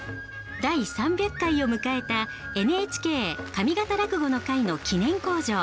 第３００回を迎えた「ＮＨＫ上方落語の会」の記念口上。